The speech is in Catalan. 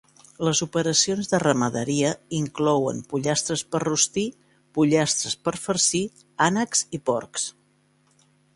Les operacions de ramaderia inclouen pollastres per rostir, pollastres per farcir, ànecs i porcs.